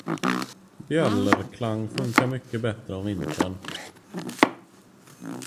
Bjällerklang funkar mycket bättre om vintern.